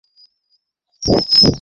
দেখতে পারে না।